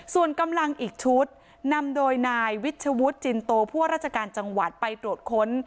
ส่วนกำลังอีกชุดนำโดยนายวิชวุฒิจินโตผู้ว่าราชการจังหวัดไปตรวจค้น